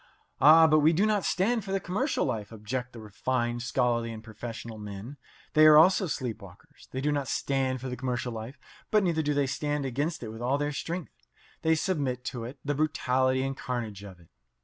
"Ah, but we do not stand for the commercial life," object the refined, scholarly, and professional men. They are also sleep walkers. They do not stand for the commercial life, but neither do they stand against it with all their strength. They submit to it, to the brutality and carnage of it.